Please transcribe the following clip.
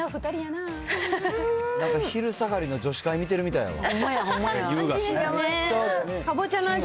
なんか昼下がりの女子会見てるみたいやわ。